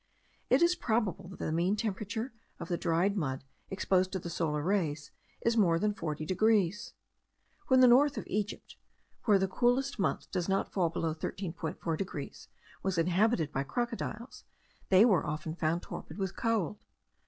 It is probable that the mean temperature of the dried mud, exposed to the solar rays, is more than 40 degrees. When the north of Egypt, where the coolest month does not fall below 13.4 degrees, was inhabited by crocodiles, they were often found torpid with cold.